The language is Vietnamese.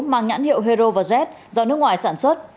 mang nhãn hiệu hero và jet do nước ngoài sản xuất